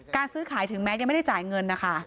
การซื้อขายถึงแม้ยังไม่ได้จ่ายเงิน